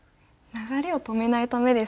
流れを止めないためですか？